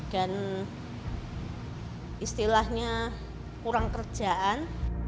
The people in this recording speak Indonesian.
dan istilahnya kurang kerjaan